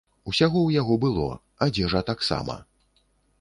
Усяго ў яго было, адзежа таксама!